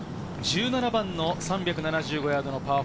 １７番の３７５ヤードのパー４。